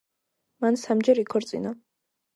მან სამჯერ იქორწინა.